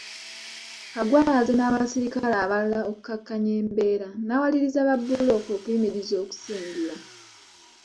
Kaggwa yazze n’abaserikale abalala okukakkanya embeera n’awaliriza babbulooka okuyimiriza okusengula